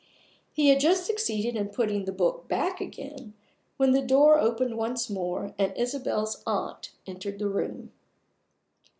He had just succeeded in putting the book back again when the door opened once more, and Isabel's aunt entered the room.